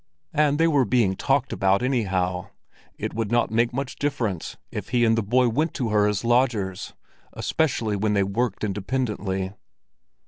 And they were being talked about, anyhow; it would not make much difference if he and the boy went as her lodgers, especially when they worked independently.